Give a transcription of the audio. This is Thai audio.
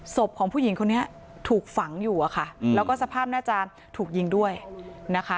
ศพของผู้หญิงคนนี้ถูกฝังอยู่อะค่ะแล้วก็สภาพน่าจะถูกยิงด้วยนะคะ